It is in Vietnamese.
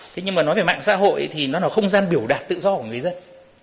thế nhưng mà nói về mạng xã hội thì nó là không gian biểu đạt tự do của người dân